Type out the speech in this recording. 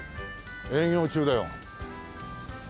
営業中だよ。